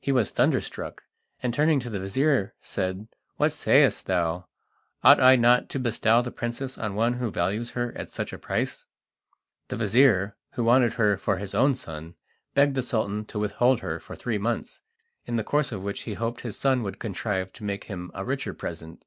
He was thunderstruck, and turning to the vizir said: "What sayest thou? Ought I not to bestow the princess on one who values her at such a price?" The vizir, who wanted her for his own son, begged the Sultan to withhold her for three months, in the course of which he hoped his son would contrive to make him a richer present.